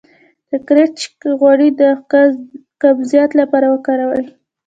د کرچک غوړي د قبضیت لپاره وکاروئ